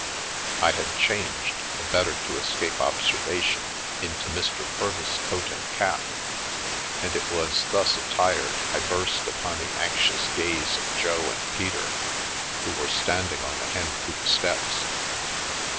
I had changed, the better to escape observation, into Mr. Purvis' coat and cap, and it was thus attired I burst upon the anxious gaze of Jo and Peter, who were standing on the Hencoop steps.